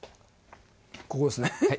ここですね。